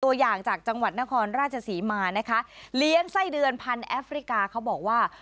ตัวอย่างจากจังหวัดนครราชศรีมานะคะเลี้ยงไส้เดือนพันธแอฟริกาเขาบอกว่า